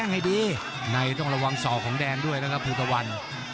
ไหนต้องระวังสอกของแดนด้วยนะครับทิตว์วัน